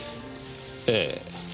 ええ。